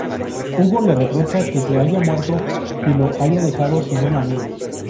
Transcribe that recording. Hugo le reprocha que se haya muerto y lo haya dejado sin un amigo.